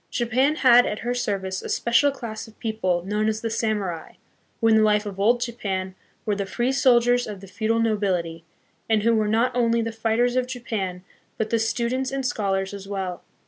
Japan had at her service a special class of people known as the samurai, who, in the life of Old Japan, were the free soldiers of the feudal nobility, and who were not only the fighters of Japan, but the students and scholars as well.